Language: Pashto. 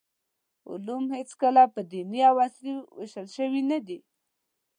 علوم هېڅکله په دیني او عصري ویشل ندي پکار.